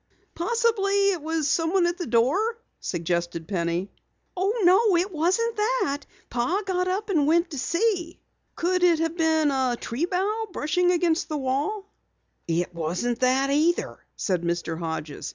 "Possibly it was someone at the door," suggested Penny. "No, it wasn't that. Pa got up and went to see." "Could it have been a tree bough brushing against the wall?" "It wasn't that," said Mr. Hodges.